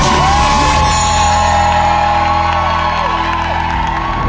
ว้าว